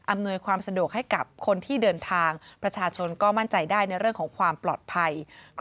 ความสะดวกให้กับคนที่เดินทางประชาชนก็มั่นใจได้ในเรื่องของความปลอดภัย